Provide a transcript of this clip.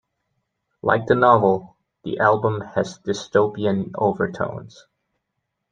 Like the novel, the album has dystopian overtones.